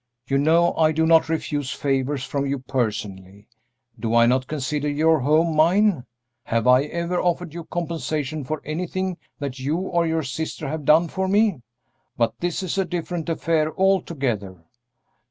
You know I do not refuse favors from you personally. Do I not consider your home mine? Have I ever offered you compensation for anything that you or your sister have done for me? But this is a different affair altogether."